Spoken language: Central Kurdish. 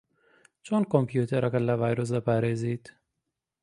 چۆن کۆمپیوتەرەکەت لە ڤایرۆس دەپارێزیت؟